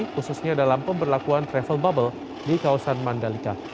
khususnya dalam pemberlakuan travel bubble di kawasan mandalika